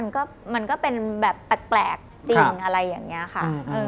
มันก็เป็นแบบแปลกจริงอะไรอย่างนี้ค่ะ